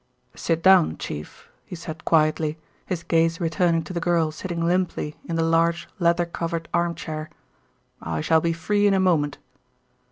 "Sit down, Chief," he said quietly, his gaze returning to the girl sitting limply in the large leather covered arm chair. "I shall be free in a moment."